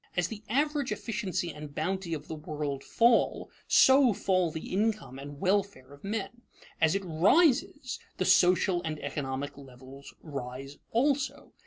As the average efficiency and bounty of the world fall, so fall the income and welfare of men. As it rises, the social and economic levels rise also.